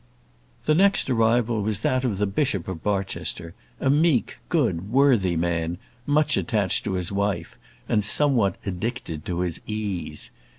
The next arrival was that of the Bishop of Barchester; a meek, good, worthy man, much attached to his wife, and somewhat addicted to his ease.